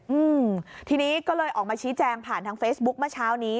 อืมทีนี้ก็เลยออกมาชี้แจงผ่านทางเฟซบุ๊คเมื่อเช้านี้